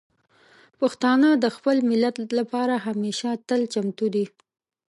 پښتانه د خپل ملت لپاره همیشه تل چمتو دي.